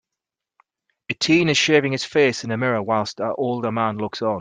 A teen is shaving his face in a mirror while an older man looks on.